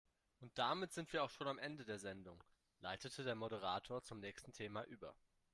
Und damit sind wir auch schon am Ende der Sendung, leitete der Moderator zum nächsten Thema über.